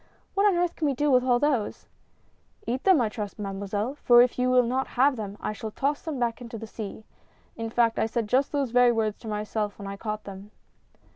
" What on earth can we do with all those ?"" Eat them I trust. Mademoiselle — for if you Avill not have them, I shall toss them back to the sea. In fact, I said just those very words to myself when I caught them."